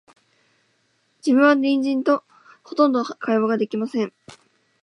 自分は隣人と、ほとんど会話が出来ません